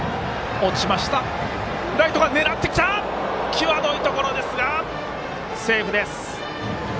際どいところですがセーフです。